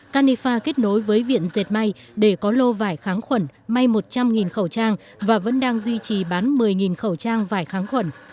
canifa kết nối với viện dệt mây để có lô vải kháng khuẩn may một trăm linh khẩu trang và vẫn đang duy trì bán một mươi khẩu trang vải kháng khuẩn